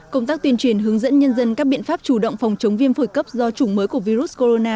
công tác tuyên truyền hướng dẫn nhân dân các biện pháp chủ động phòng chống viêm phổi cấp do chủng mới của virus corona